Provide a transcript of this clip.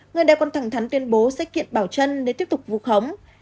người đẹp còn thẳng thắn tuyên bố sẽ kiện bảo trân để tiếp tục vụ khống